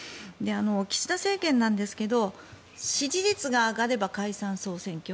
岸田政権なんですが支持率が上がれば解散・総選挙。